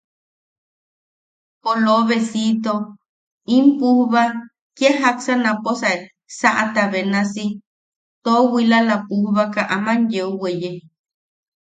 Poloobesito, in pujba kia jaksa naposae saʼata benasi toowilala pujbaka aman yeu weye.